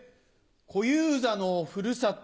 小遊三のふるさと